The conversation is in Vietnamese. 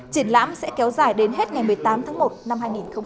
triển lãm sẽ kéo dài đến hết ngày một mươi tám tháng một năm hai nghìn một mươi sáu